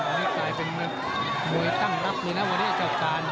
อันนี้กลายเป็นมวยตั้งรับเลยนะวันนี้เจ้าตาน